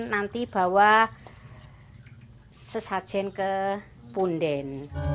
nanti bawa sesajen ke punden